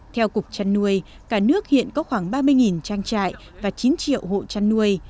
theo cục trăn nuôi cả nước hiện có khoảng ba mươi trang trại và chín triệu hộ chăn nuôi